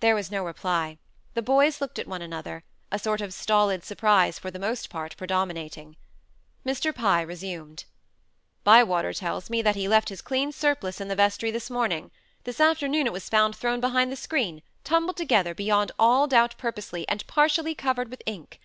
There was no reply. The boys looked at one another, a sort of stolid surprise for the most part predominating. Mr. Pye resumed: "Bywater tells me that he left his clean surplice in the vestry this morning. This afternoon it was found thrown behind the screen, tumbled together, beyond all doubt purposely, and partially covered with ink.